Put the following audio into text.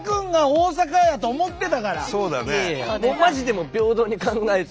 マジで平等に考えて。